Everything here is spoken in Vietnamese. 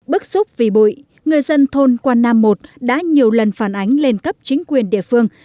bức xúc vì bụi người dân thôn quan nam một đã nhiều lần phản ánh lên cấp chính quyền địa phương